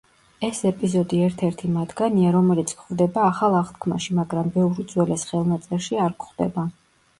ეს ეპიზოდი ერთ-ერთი მათგანია, რომელიც გვხვდება ახალ აღთქმაში მაგრამ ბევრ უძველეს ხელნაწერში არ გვხვდება.